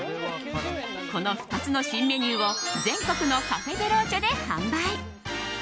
この２つの新メニューを全国のカフェ・ベローチェで販売。